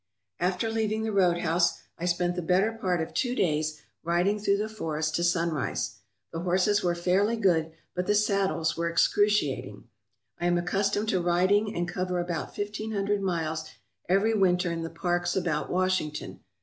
After leaving the roadhouse, I spent the better part of two days riding through the forest to Sunrise. The horses were fairly good, but the saddles were excruciating. I am accustomed to riding and cover about fifteen hundred miles every winter in the parks about Washington.